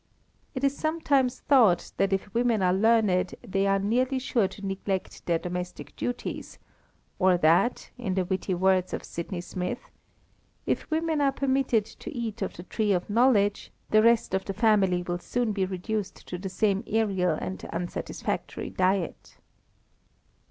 It is sometimes thought that if women are learned they are nearly sure to neglect their domestic duties, or that, in the witty words of Sydney Smith, "if women are permitted to eat of the tree of knowledge, the rest of the family will soon be reduced to the same aerial and unsatisfactory diet."